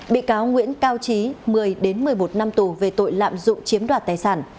bị cáo nguyễn cao trí một mươi đến một mươi một năm tù về tội lạm dụng chiếm đoạt tài sản